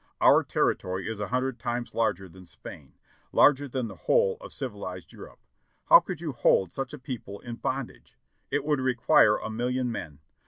Our territory is a hundred times larger than Spain —■ larger than the whole of civilized Europe. How could you hold such a people in bondage? It would require a million men.